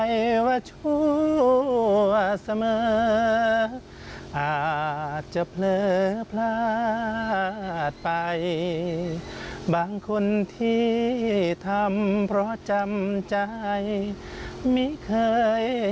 อีกหลังครั้งด้วย